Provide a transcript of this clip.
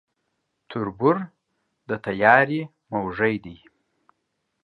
تر بور د تيارې موږى دى.